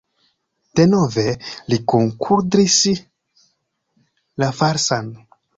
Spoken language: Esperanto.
Denove mi kunkudris la falsan!